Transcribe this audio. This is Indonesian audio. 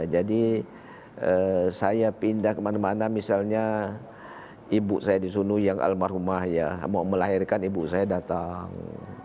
jadi saya pindah kemana mana misalnya ibu saya disuruh yang almarhumah ya mau melahirkan ibu saya datang